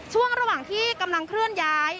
ช่วงระหว่างที่กำลังเคลื่อนย้าย